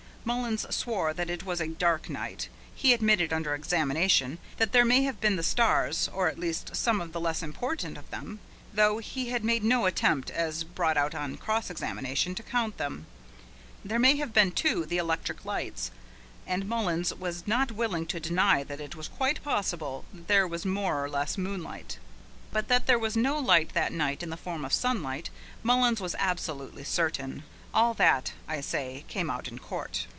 Mullins swore that it was a dark night; he admitted, under examination, that there may have been the stars, or at least some of the less important of them, though he had made no attempt, as brought out on cross examination, to count them: there may have been, too, the electric lights, and Mullins was not willing to deny that it was quite possible that there was more or less moonlight. But that there was no light that night in the form of sunlight, Mullins was absolutely certain. All that, I say, came out in court.